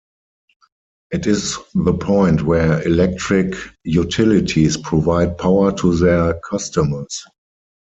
It is the point where electric utilities provide power to their customers.